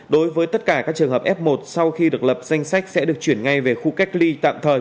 đối với tất cả các trường hợp f một sau khi được lập danh sách sẽ được chuyển ngay về khu cách ly tạm thời